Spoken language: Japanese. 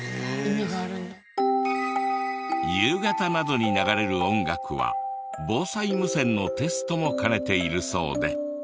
夕方などに流れる音楽は防災無線のテストも兼ねているそうで。